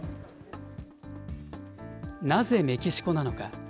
なぜメキシコなのか。